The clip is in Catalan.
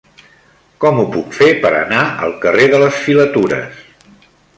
Com ho puc fer per anar al carrer de les Filatures?